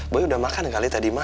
boy udah makan kali tadi ma